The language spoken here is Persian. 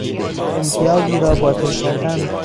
امتیازی را باطل کردن